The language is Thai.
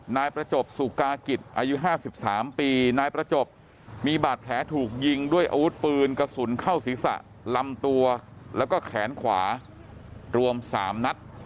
นายประจบสุกากิจอายุ๕๓ปีนายประจบมีบาดแผลถูกยิงด้วยอาวุธปืนกระสุนเข้าศีรษะลำตัวแล้วก็แขนขวารวม๓นัด